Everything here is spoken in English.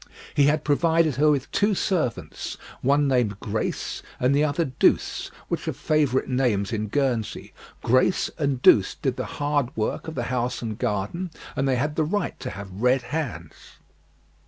He had provided her with two servants, one named Grace, and the other Douce, which are favourite names in Guernsey. Grace and Douce did the hard work of the house and garden, and they had the right to have red hands.